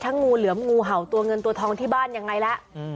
งูเหลือมงูเห่าตัวเงินตัวทองที่บ้านยังไงแล้ว